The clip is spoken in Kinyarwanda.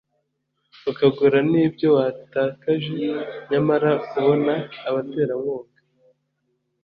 ukagura n’ibyo watakaje ; nyamara kubona abaterankunga